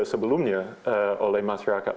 sebelumnya oleh masyarakat